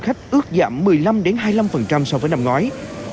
khách ước giảm một mươi năm hai mươi năm so với năm ngoái